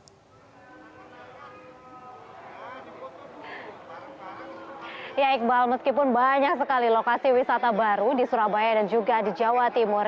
ya iqbal meskipun banyak sekali lokasi wisata baru di surabaya dan juga di jawa timur